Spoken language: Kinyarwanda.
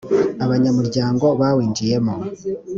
abanyamuryango bawinjiyemo